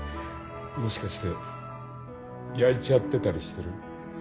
もしかしてやいちゃってたりしてる？